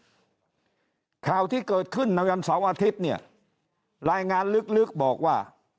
สุดข่าวที่เกิดขึ้นนักยำเสาร์วาทิพย์รายงานลึกบอกว่า